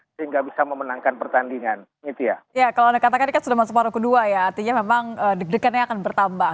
ya memang deg degannya akan bertambah